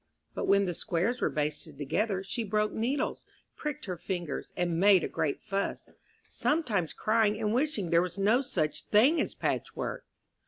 But when the squares were basted together, she broke needles, pricked her fingers, and made a great fuss; sometimes crying, and wishing there were no such thing as patchwork.